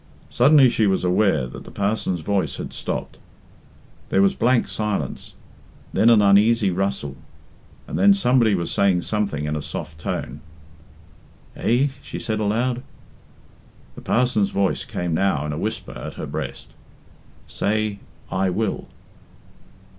Suddenly she was aware that the parson's voice had stopped. There was blank silence, then an uneasy rustle, and then somebody was saying something in a soft tone. "Eh?" she said aloud. The parson's voice came now in a whisper at her breast "Say, 'I will.'"